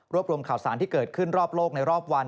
รวมข่าวสารที่เกิดขึ้นรอบโลกในรอบวัน